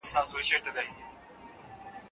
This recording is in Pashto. زما په مینه کې خواږه دي